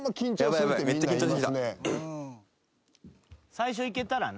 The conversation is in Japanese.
最初いけたらな。